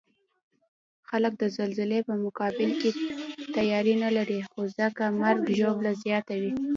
خلک د زلزلې په مقابل کې تیاری نلري، نو ځکه مرګ ژوبله زیاته وی